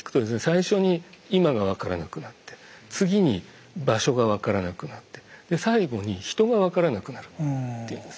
最初に今がわからなくなって次に場所がわからなくなってで最後に人がわからなくなるっていうんですね。